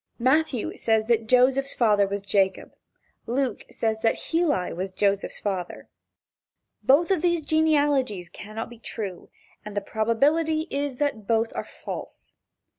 Matthew says that Joseph's father was Jacob. Luke says that Heli was Joseph's father. Both of these genealogies cannot be true, and the probability is that both are false.